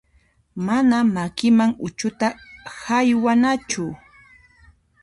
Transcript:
Mana makiman uchuta haywanachu.